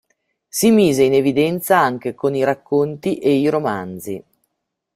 Si mise in evidenza anche con i racconti e i romanzi.